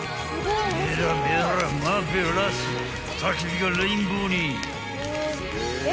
［メラメラマーベラス］［たき火がレインボーに］